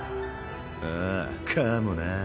ああかもなぁ。